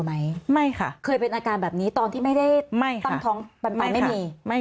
ไหมไม่ค่ะเคยเป็นอาการแบบนี้ตอนที่ไม่ได้ตั้งท้องไม่มี